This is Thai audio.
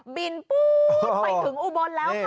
บินปุ๊บไปถึงอุบลแล้วค่ะ